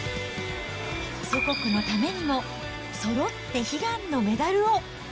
祖国のためにも、そろって悲願のメダルを。